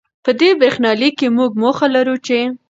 په دې برېښنالیک کې، موږ موخه لرو چې